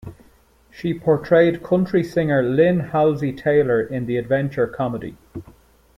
She portrayed country singer Lynn Halsey-Taylor in the adventure-comedy.